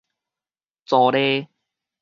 皂隸